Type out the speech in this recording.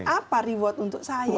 apa reward untuk saya